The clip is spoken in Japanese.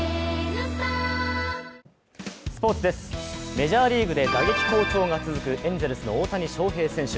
メジャーリーグで打撃好調が続くエンゼルスの大谷翔平選手。